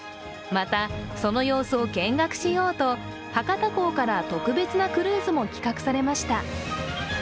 また、その様子を見学しようと、博多港から特別なクルーズも企画されました。